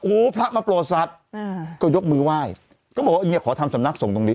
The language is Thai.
โอ้โหพระมาโปรดสัตว์อ่าก็ยกมือไหว้ก็บอกว่าเนี่ยขอทำสำนักส่งตรงนี้